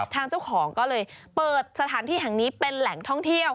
ทางเจ้าของก็เลยเปิดสถานที่แห่งนี้เป็นแหล่งท่องเที่ยว